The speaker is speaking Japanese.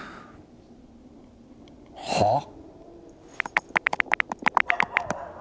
はあ？